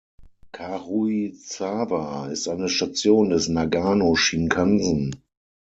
Karuizawa ist eine Station des Nagano-Shinkansen.